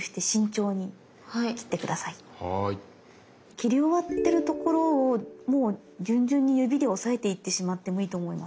切り終わってるところをもう順々に指で押さえていってしまってもいいと思います。